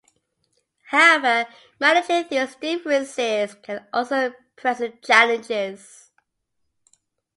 However, managing these differences can also present challenges.